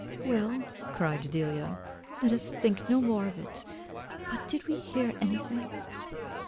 "Well," cried Delia, "let us think no more of it. But did we hear anything?"